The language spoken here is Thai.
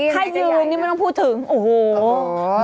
ถ้ายืนนี่ไม่ต้องพูดถึงโอ้โห